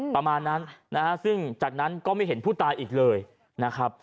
ประมาณนั้นนะฮะซึ่งจากนั้นก็ไม่เห็นผู้ตายอีกเลยนะครับ